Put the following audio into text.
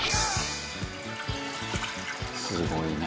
「すごいな。